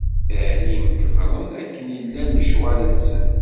Err i yimkebbren akken i llan lecɣwal-nsen.